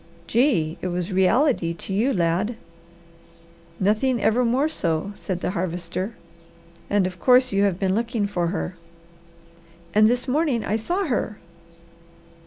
"Gee! It was reality to you, lad!" "Nothing ever more so," said the Harvester. "And of course, you have been looking for her?" "And this morning I saw her!"